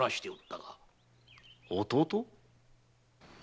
弟？